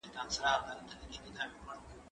دا سندري له هغه ښايسته دي!